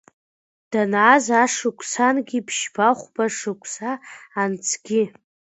Данааз ашықәсангьы ԥшьба-хәба шықәса анҵгьы.